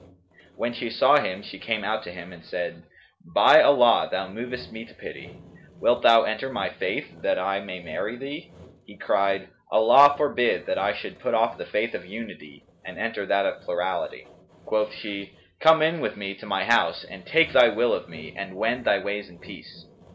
When she saw him she came out to him and said, 'By Allah thou movest me to pity! wilt thou enter my faith that I may marry thee?' He cried, 'Allah forbid that I should put off the faith of Unity and enter that of Plurality!'[FN#208] Quoth she, 'Come in with me to my house and take thy will of me and wend thy ways in peace.'